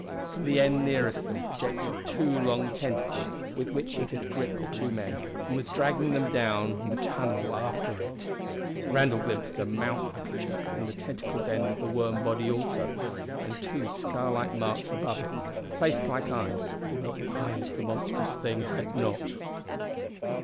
From the end nearest them projected two long tentacles with which it had gripped the two men and was dragging them down the tunnel after it! Randall glimpsed a mouth aperture in the tentacled end of the worm body also, and two scarlike marks above it, placed like eyes, although eyes the monstrous thing had not.